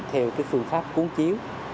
theo phương pháp cuốn chiếu